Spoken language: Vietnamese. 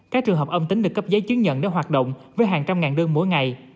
các trường hợp âm tính được cấp giấy chứng nhận để hoạt động với hàng trăm ngàn đơn mỗi ngày